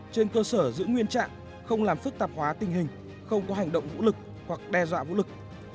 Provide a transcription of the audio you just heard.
trên cơ sở giữ nguyên trạng không làm phức tạp hóa tình hình không có hành động vũ lực hoặc đe dọa vũ lực